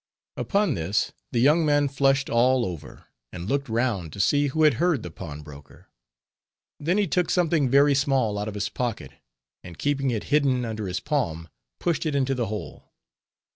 Upon this the young man flushed all over, and looked round to see who had heard the pawnbroker; then he took something very small out of his pocket, and keeping it hidden under his palm, pushed it into the hole.